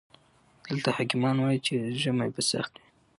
دلته حکيمان وايي چې ژمی به سخت وي.